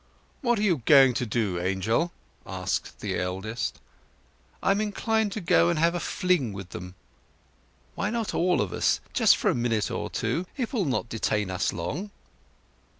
"What are you going to do, Angel?" asked the eldest. "I am inclined to go and have a fling with them. Why not all of us—just for a minute or two—it will not detain us long?"